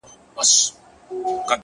زمــا دزړه د ائينې په خاموشـۍ كي;